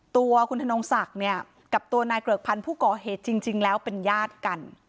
ตัวคุณธนงศักดิ์เนี่ยกับตัวนายเกริกพันธ์ผู้ก่อเหตุจริงแล้วเป็นญาติกัน